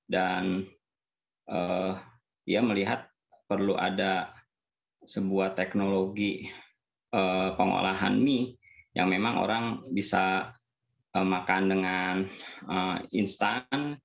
dan dia melihat perlu ada sebuah teknologi pengolahan mie yang memang orang bisa makan dengan instan